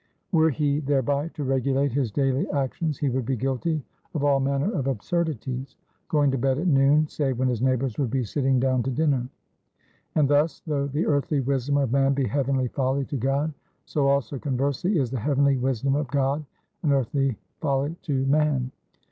Were he thereby to regulate his daily actions, he would be guilty of all manner of absurdities: going to bed at noon, say, when his neighbors would be sitting down to dinner. And thus, though the earthly wisdom of man be heavenly folly to God; so also, conversely, is the heavenly wisdom of God an earthly folly to man.